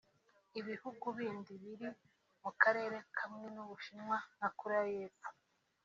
Ibihugu bindi biri mu Karere kamwe n’u Bushinwa nka Koreya y’Epfo